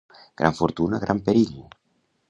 Gran fortuna, gran perill.